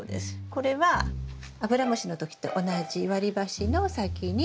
これはアブラムシの時と同じ割り箸の先に。